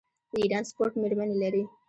د ایران سپورټ میرمنې لري.